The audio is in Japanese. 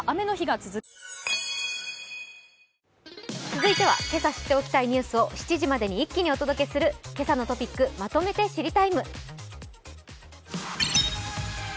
続いてはけさ知っておきたいニュースを７時までに一気にお届けする「けさのトピックまとめて知りＴＩＭＥ，」。